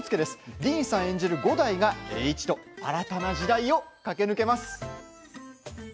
ディーンさん演じる五代が栄一と新たな時代を駆け抜けます。